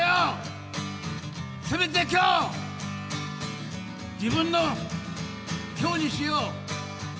せめて今日自分の今日にしよう。